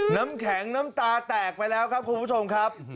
น้ำแข็งน้ำตาแตกไปแล้วครับคุณผู้ชมครับ